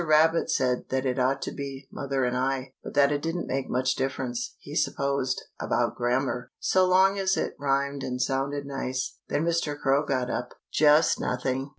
Rabbit said that it ought to be "Mother and I," but that it didn't make much difference, he supposed, about grammar, so long as it rhymed and sounded nice. Then Mr. Crow got up. JUST NOTHING.